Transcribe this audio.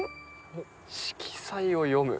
「色彩を詠む」。